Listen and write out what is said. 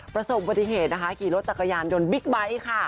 ประสบปฏิเหตุนะคะขี่รถจักรยานยนต์บิ๊กไบท์ค่ะ